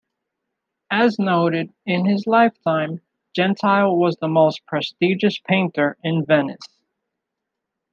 As noted, in his lifetime, Gentile was the most prestigious painter in Venice.